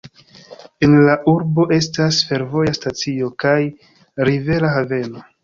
En la urbo estas fervoja stacio kaj rivera haveno.